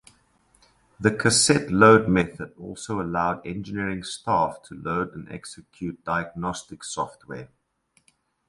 The cassette load method also allowed engineering staff to load and execute diagnostic software.